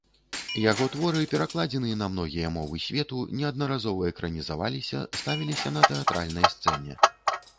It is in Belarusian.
Яго творы перакладзены на многія мовы свету, неаднаразова экранізаваліся, ставіліся на тэатральнай сцэне.